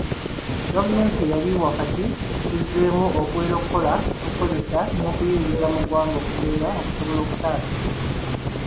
Gavumenti eya wakati ezzeemu okuwera okukola, okukozesa n'okuyingiza muggwanga obuveera, okusobola okutaasa obutonde bw'ensi.